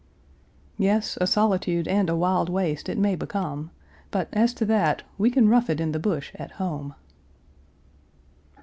Yes, a solitude and a wild waste it may become, but, as to that, we can rough it in the bush at home.